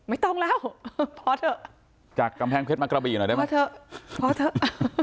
ไม่ต้องแล้วพอเถอะจากกำแพงเพชรมากระบี่หน่อยได้ไหมมาเถอะพอเถอะ